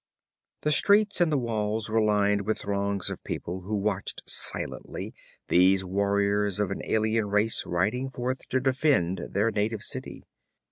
The streets and the walls were lined with throngs of people who watched silently these warriors of an alien race riding forth to defend their native city.